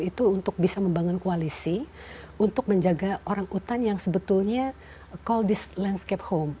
itu untuk bisa membangun koalisi untuk menjaga orang utan yang sebetulnya call this landscape home